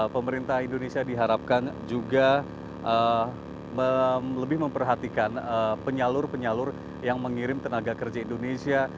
pemerintah indonesia diharapkan juga lebih memperhatikan penyalur penyalur yang mengirim tenaga kerja indonesia